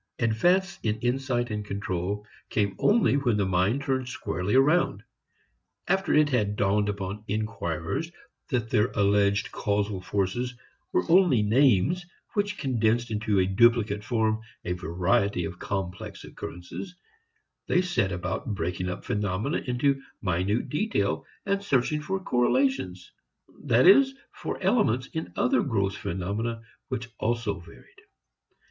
Advance in insight and control came only when the mind turned squarely around. After it had dawned upon inquirers that their alleged causal forces were only names which condensed into a duplicate form a variety of complex occurrences, they set about breaking up phenomena into minute detail and searching for correlations, that is, for elements in other gross phenomena which also varied.